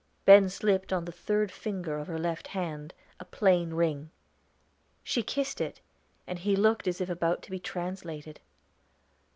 Ben slipped on the third finger of her left hand a plain ring. She kissed it, and he looked as if about to be translated.